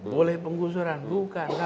boleh pengusuran bukan